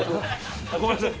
ごめんなさい。